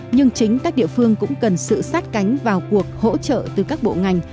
nhưng chính các địa phương cũng cần sự sát cánh vào cuộc hỗ trợ từ các bộ ngành